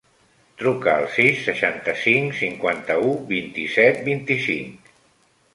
Truca al sis, seixanta-cinc, cinquanta-u, vint-i-set, vint-i-cinc.